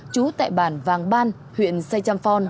chú tại bản vàng ban huyện say trăm phòn